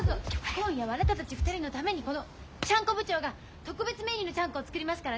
今夜はあなたたち２人のためにこのちゃんこ部長が特別メニューのちゃんこを作りますからね。